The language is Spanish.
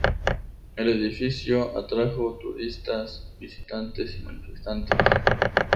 El edificio atrajo turistas, visitantes y manifestantes.